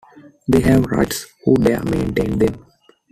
They have rights who dare maintain them.